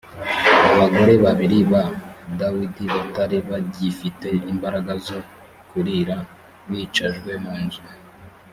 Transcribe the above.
abagore babiri ba dawidi batari bagifite imbaraga zo kurira bicajwe mu nzu